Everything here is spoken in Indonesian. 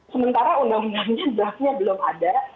sementara undang undangnya draftnya belum ada